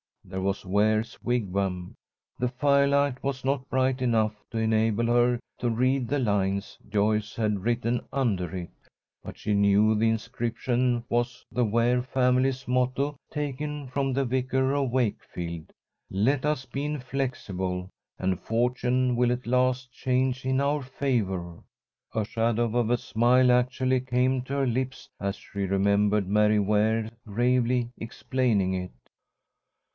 There was Ware's Wigwam. The firelight was not bright enough to enable her to read the lines Joyce had written under it, but she knew the inscription was the Ware family's motto, taken from the "Vicar of Wakefield": "Let us be inflexible, and fortune will at last change in our favour." A shadow of a smile actually came to her lips as she remembered Mary Ware gravely explaining it.